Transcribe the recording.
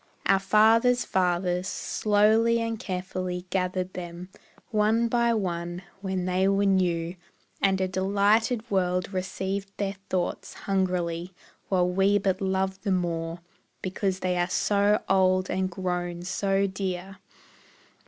Our fathers' fathers, slowly and carefully Gathered them, one by one, when they were new And a delighted world received their thoughts Hungrily; while we but love the more, Because they are so old and grown so dear!